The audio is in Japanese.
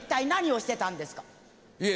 いえ